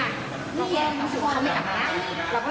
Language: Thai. หนึ่งนาทีครับเพราะตรงนี้เขาไม่กลับมา